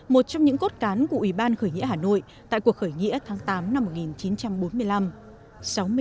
một trong những cốt cán của ủy ban khởi nghĩa hà nội tại cuộc khởi nghĩa tháng tám năm một nghìn chín trăm bốn mươi năm